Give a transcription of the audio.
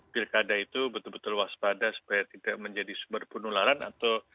pilkada itu betul betul waspada supaya tidak menjadi sumber penularan atau